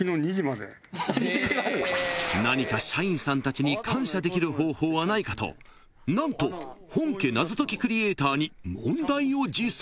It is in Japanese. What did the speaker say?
［何か社員さんたちに感謝できる方法はないかと何と本家謎解きクリエイターに問題を持参］